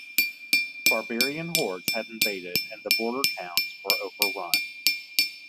Barbarian hordes had invaded and the border towns were overrun.